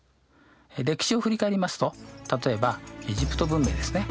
歴史を振り返りますと例えばエジプト文明ですね。